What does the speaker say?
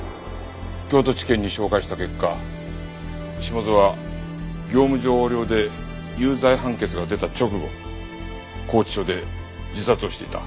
京都地検に照会した結果下津は業務上横領で有罪判決が出た直後拘置所で自殺をしていた。